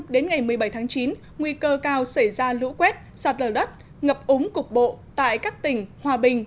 đến ngày một mươi bảy tháng chín nguy cơ cao xảy ra lũ quét sạt lở đất ngập úng cục bộ tại các tỉnh hòa bình